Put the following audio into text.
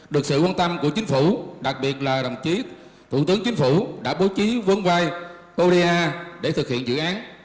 được sự quan tâm của chính phủ đặc biệt là đồng chí thủ tướng chính phủ đã bố trí vốn vai oda để thực hiện dự án